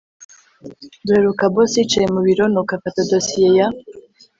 Duheruka Boss yicaye mubiro nuko afata dosiye ya